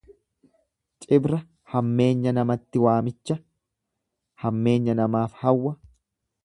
Cibra hammeenya namatti waamicha, hammeenya namaaf hawwa.